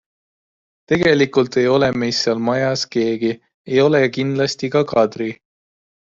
Tegelikult ei ole meist seal majas keegi, ei ole kindlasti ka Kadri.